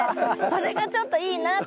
それがちょっといいなと思って。